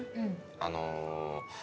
あの。